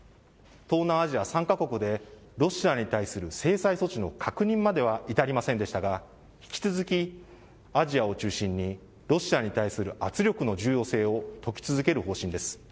東南アジア３か国でロシアに対する制裁措置の確認までは至りませんでしたが、引き続きアジアを中心に、ロシアに対する圧力の重要性を説き続ける方針です。